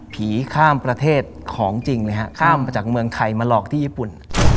ผีข้ามประเทศของจริงเลยฮะข้ามมาจากเมืองไทยมาหลอกที่ญี่ปุ่น